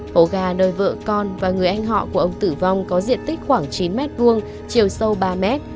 hố ga nơi vợ con và người anh họ của ông tử vong có diện tích khoảng chín m hai chiều sâu ba mét